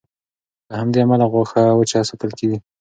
له همدې امله غوښه وچه ساتل کېږي.